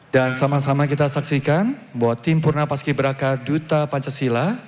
dan sama sama kita saksikan bahwa tim purnapas kibraka duta pancasila